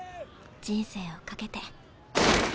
人生を懸けて。